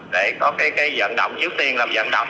để có cái dẫn động trước tiên làm dần động